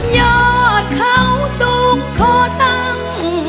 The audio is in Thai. ยอดเข้าสุขทั้ง